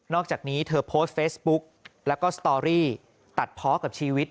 อกจากนี้เธอโพสต์เฟซบุ๊กแล้วก็สตอรี่ตัดเพาะกับชีวิต